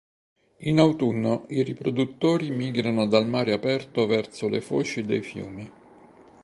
In autunno i riproduttori migrano dal mare aperto verso le foci dei fiumi.